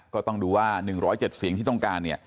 ก็ต้องดูว่า๑๐๗เสียงที่ต้องการ